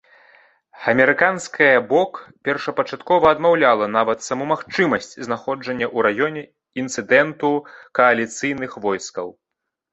Амерыканская бок першапачаткова адмаўляла нават саму магчымасць знаходжання у раёне інцыдэнту кааліцыйных войскаў.